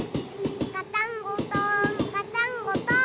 ガタンゴトンガタンゴトン。